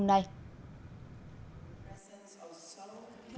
đối tác vì sự phát triển bền vững